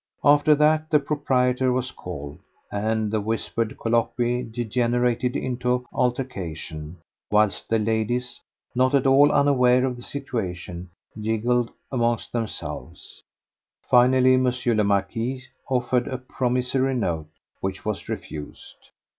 After that the proprietor was called, and the whispered colloquy degenerated into altercation, whilst the ladies—not at all unaware of the situation—giggled amongst themselves. Finally, M. le Marquis offered a promissory note, which was refused.